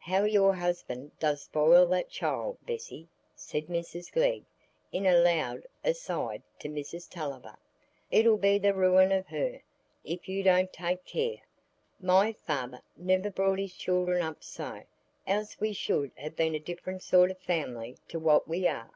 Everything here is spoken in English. "How your husband does spoil that child, Bessy!" said Mrs Glegg, in a loud "aside," to Mrs Tulliver. "It'll be the ruin of her, if you don't take care. My father never brought his children up so, else we should ha' been a different sort o' family to what we are."